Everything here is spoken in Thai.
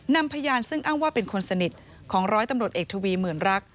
นำพยานซึ่งอ้างว่าเป็นคนสนิทของร้อยตำรวจเอกทวีหมื่นรัก